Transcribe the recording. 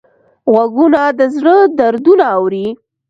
غوږونه د زړه دردونه اوري